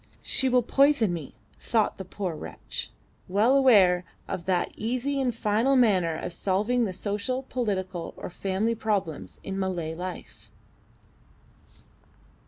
She will poison me, thought the poor wretch, well aware of that easy and final manner of solving the social, political, or family problems in Malay life.